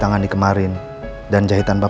temannya masalah itu ma